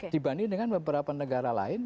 dibandingkan beberapa negara lain